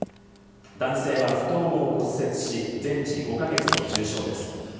男性は太ももを骨折し、全治５か月の重傷です。